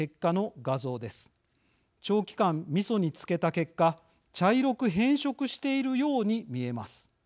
長期間みそに漬けた結果茶色く変色しているように見えます。